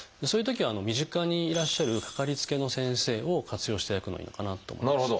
そういうときは身近にいらっしゃるかかりつけの先生を活用していただくのがいいのかなと思います。